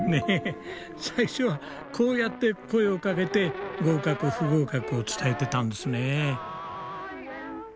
最初はこうやって声をかけて合格・不合格を伝えていたんですね。